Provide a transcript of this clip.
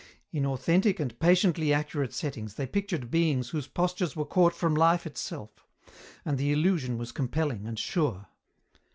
In authentic and patiently accurate settings they pictured beings whose postures were caught from life itself, and the illusion was compelling and sure.